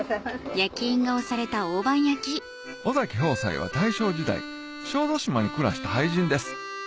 は大正時代小豆島に暮らした俳人です